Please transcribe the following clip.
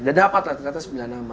dan dapatlah ternyata sembilan nama